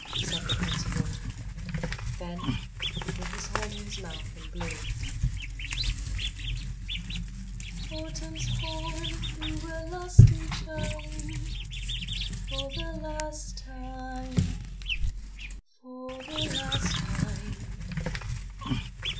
said the Prince of Autumn. Then he put his horn to his mouth and blew. Autumn's horn blew a lusty chime, For the last time, for the last time!